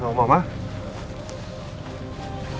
ngobrol sama siapa tadi